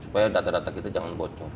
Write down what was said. supaya data data kita jangan bocor